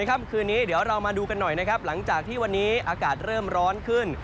ค่ำคืนนี้เดี๋ยวเรามาดูกันหน่อยนะครับหลังจากที่วันนี้อากาศเริ่มร้อนขึ้น